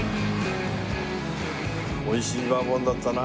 美味しいバーボンだったな。